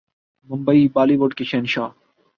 Mumbai Bollywood کے شہنشاہ